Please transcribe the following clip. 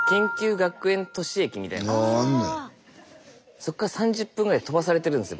そっから３０分ぐらい飛ばされてるんですよ